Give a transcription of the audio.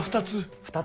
２つ？